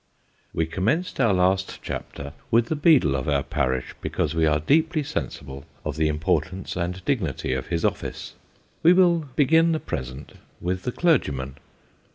WE commenced our last chapter with the beadle of our parish, becauso we are deeply sensible of the importance and dignity of his office. We will begin the present with the clergyman.